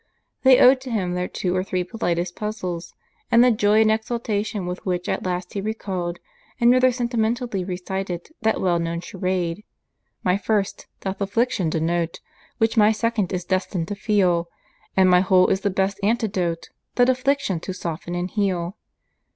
They owed to him their two or three politest puzzles; and the joy and exultation with which at last he recalled, and rather sentimentally recited, that well known charade, My first doth affliction denote, Which my second is destin'd to feel And my whole is the best antidote That affliction to soften and heal.